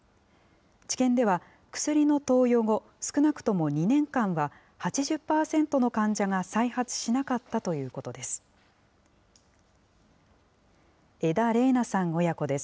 治験では、薬の投与後、少なくとも２年間は、８０％の患者が再発しなかったということです。